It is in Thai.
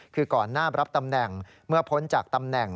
คือก่อนหน้ารับตำแหน่งเมื่อพ้นจากตำแหน่ง